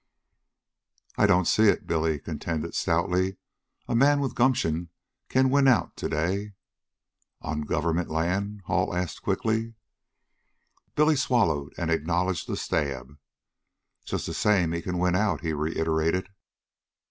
"I don't see it," Billy contended stoutly. "A man with gumption can win out to day " "On government land?" Hall asked quickly. Billy swallowed and acknowledged the stab. "Just the same he can win out," he reiterated.